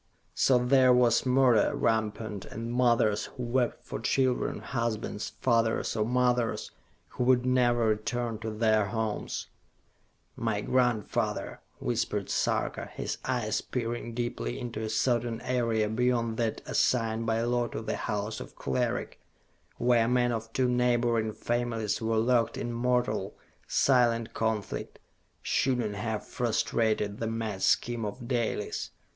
So there was murder rampant, and mothers who wept for children, husbands, fathers or mothers, who would never return to their homes. "My grandfather," whispered Sarka, his eyes peering deeply into a certain area beyond that assigned by law to the House of Cleric, where men of two neighboring families were locked in mortal, silent conflict, "should not have frustrated the mad scheme of Dalis!